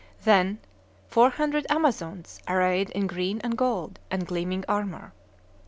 Then, four hundred Amazons arrayed in green and gold, and gleaming armor.